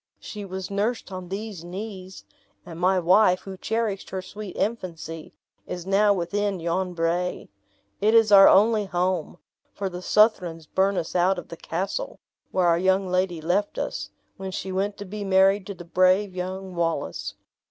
She was nursed on these knees. And my wife, who cherished her sweet infancy, is now within yon brae. It is our only home, for the Southrons burnt us out of the castle, where our young lady left us, when she went to be married to the brave young Wallace.